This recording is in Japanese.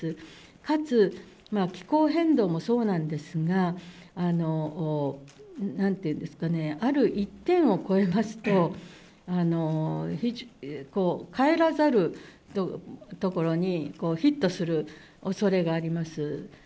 かつ、気候変動もそうなんですが、なんて言うんですかね、ある一点を越えますと、帰らざるところにヒットするおそれがあります。